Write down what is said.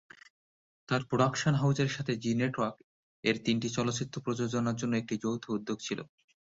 তাঁর প্রোডাকশন হাউজের সাথে জি নেটওয়ার্ক এর তিনটি চলচ্চিত্র প্রযোজনার জন্য একটি যৌথ উদ্যোগ ছিল।